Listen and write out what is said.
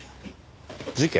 事件？